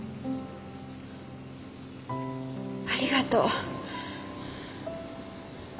ありがとう